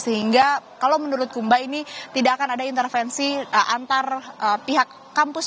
sehingga kalau menurut kumba ini tidak akan ada intervensi antar pihak kampus